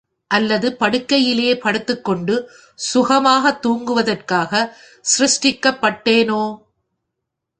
அல்லது படுக்கையிலேயே படுத்துக்கொண்டு சுகமாய்த் தூங்குவதற்காகச் சிருஷ்டிக்கப் பட்டேனோ?.